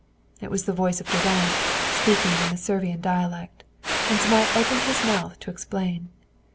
It was the voice of Durand speaking in the Servian dialect; and Zmai opened his mouth to explain.